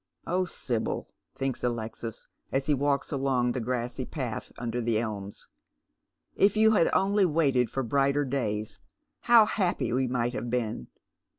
" Oh, Sibyl," thinks Alexis as he walks along the grassy path under the elms, " if you had only waited for brighter days, how happy we might have been